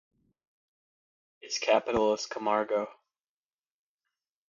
Its capital is Camargo.